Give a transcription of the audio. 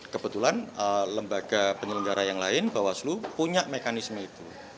kebetulan lembaga penyelenggara yang lain bawaslu punya mekanisme itu